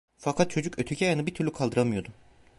Fakat çocuk öteki ayağını bir türlü kaldıramıyordu.